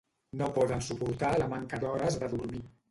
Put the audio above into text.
No poden suportar la manca d'hores de dormir